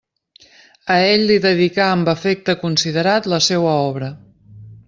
A ell li dedicà amb afecte considerat la seua obra.